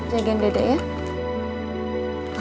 jagain deda ya